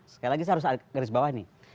sekali lagi saya harus garis bawah nih